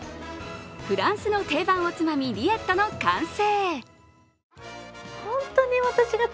フランスの定番おつまみリエットの完成。